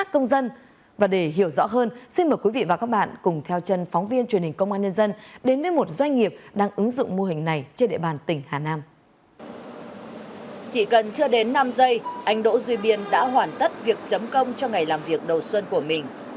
chỉ cần chưa đến năm giây anh đỗ duy biên đã hoàn tất việc chấm công cho ngày làm việc đầu xuân của mình